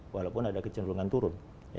walaupun ada kecenderungan turun